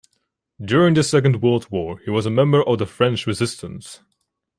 During the Second World War he was a member of the French resistance.